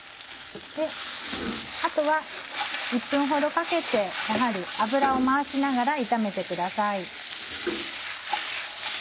あとは１分ほどかけて油を回しながら炒めてください。